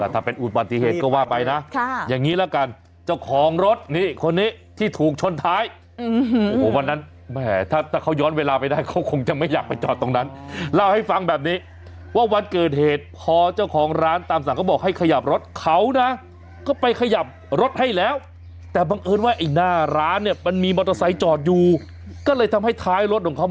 ถ้าเป็นอุดวันที่เหตุก็ว่าไปนะอย่างนี้แล้วกันเจ้าของรถนี่คนนี้ที่ถูกชนท้าย